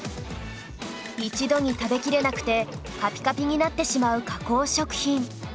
一度に食べきれなくてカピカピになってしまう加工食品